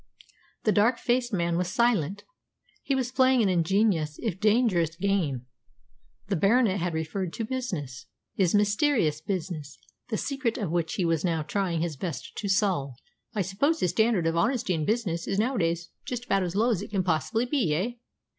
The dark faced man was silent. He was playing an ingenious, if dangerous, game. The Baronet had referred to business his mysterious business, the secret of which he was now trying his best to solve. "Yes," he said at length, "I suppose the standard of honesty in business is nowadays just about as low as it can possibly be, eh?